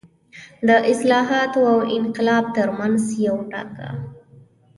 د اصلاحاتو او انقلاب ترمنځ یو وټاکه.